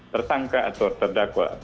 tertangka atau terdakwa